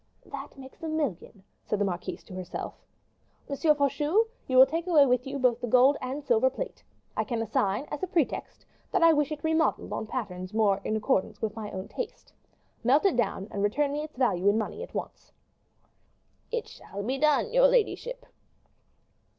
"That makes a million," said the marquise to herself. "M. Faucheux, you will take away with you both the gold and silver plate. I can assign, as a pretext, that I wish it remodeled on patters more in accordance with my own taste. Melt it down, and return me its value in money, at once." "It shall be done, your ladyship."